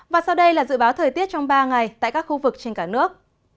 và sau đây là dự báo thời tiết trong ba ngày tại các khu vực trên cả nước